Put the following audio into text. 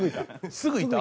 すぐいた？